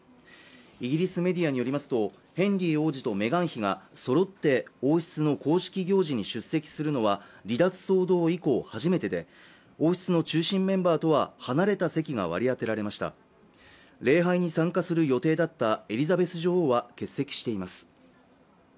イギリスメディアによりますとヘンリー王子とメガン妃がそろって王室の公式行事に出席するのは離脱騒動以降初めてで王室の中心メンバーとは離れた席が割り当てられました礼拝に参加する予定だったエリザベス女王は欠席しています